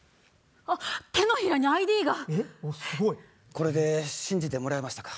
これで信じてもらえましたか？